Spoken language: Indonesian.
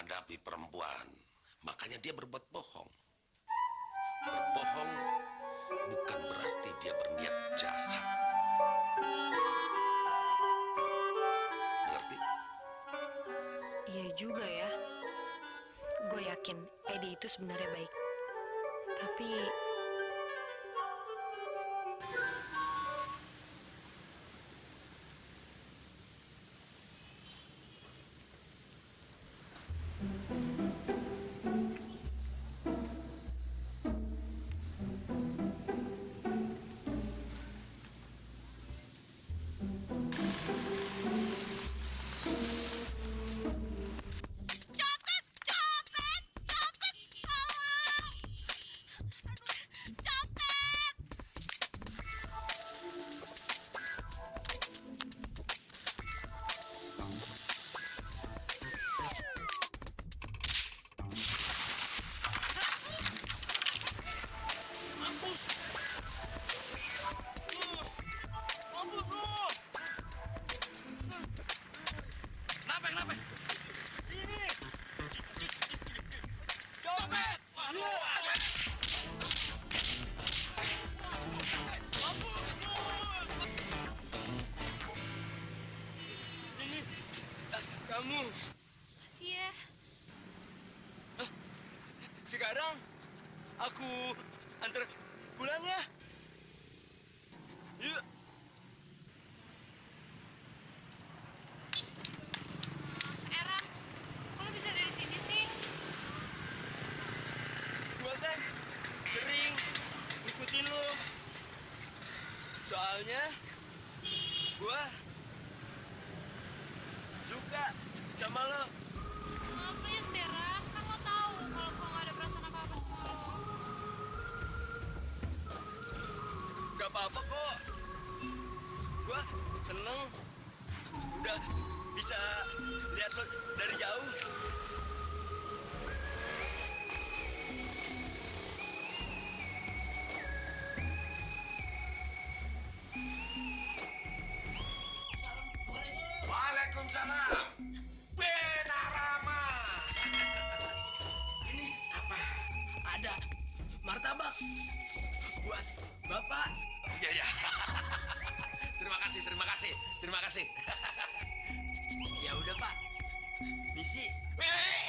terima kasih terima kasih terima kasih ya udah pak wisi eh terdulu masuk dulu mau ketemu dulu